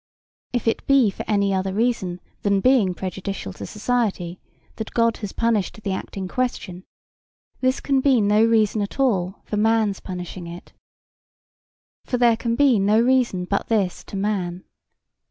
If it be for any other reason than being prejudicial to society that God has punished the act in question, this can be no reason at all for man's punishing it. For there can be no reason but this to man.